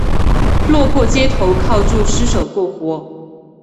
落魄街头靠著施舍过活